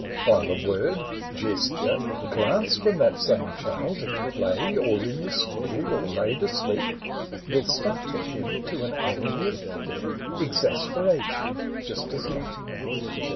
While a word, gesture, glance from that same child At play or in the school or laid asleep, Will startle him to an agony of fear, Exasperation, just as like.